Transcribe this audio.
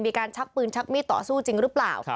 ชักปืนชักมีดต่อสู้จริงหรือเปล่า